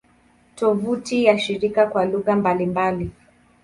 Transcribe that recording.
Tovuti ya shirika kwa lugha mbalimbali